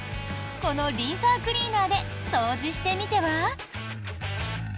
このリンサークリーナーで掃除してみては？